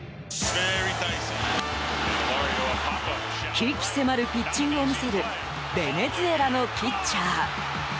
鬼気迫るピッチングを見せるベネズエラのピッチャー。